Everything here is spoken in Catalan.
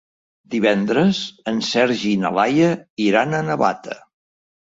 Divendres en Sergi i na Laia iran a Navata.